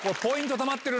たまってるな